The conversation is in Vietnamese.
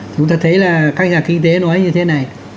chúng ta thấy là các nhà kinh tế nói như thế này